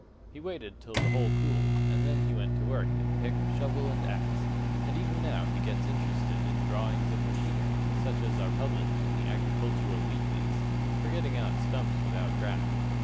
He waited till the hole cooled, and then he went to work with pick, shovel, and axe: and even now he gets interested in drawings of machinery, such as are published in the agricultural weeklies, for getting out stumps without graft.